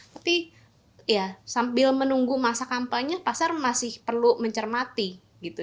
tapi ya sambil menunggu masa kampanye pasar masih perlu mencermati gitu